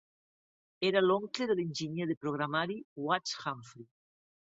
Era l'oncle de l'enginyer de programari Watts Humphrey.